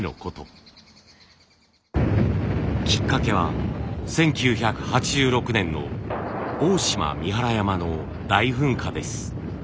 きっかけは１９８６年の大島三原山の大噴火です。